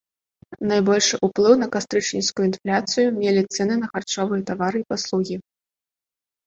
Найбольшы ўплыў на кастрычніцкую інфляцыю мелі цэны на харчовыя тавары і паслугі.